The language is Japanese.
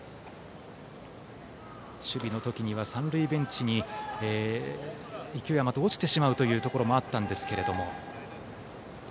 守備の時には三塁ベンチに勢い余って落ちてしまうというところもあったんですけれども。